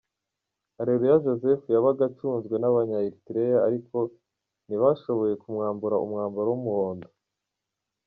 Areruya Joseph yabaga acunzwe n’abanya Eritrea ariko ntibashoboye kumwambura umwambaro w’umuhondo